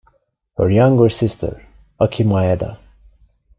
Her younger sister is Aki Maeda.